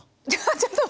ちょっと待。